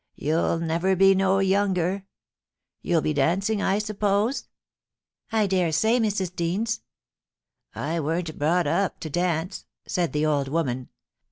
You'll never be no younger. Youll be dancing, I suppose ?I dare say, Mrs. Deans.' * I warn't brought up to dance,' said the old woman.